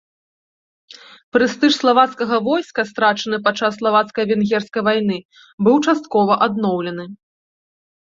Прэстыж славацкага войска, страчаны падчас славацка-венгерскай вайны, быў часткова адноўлены.